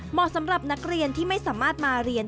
เหมาะสำหรับนักเรียนที่ไม่สามารถมาเรียน